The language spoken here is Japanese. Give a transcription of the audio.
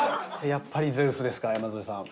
やっぱりゼウスですか山添さん。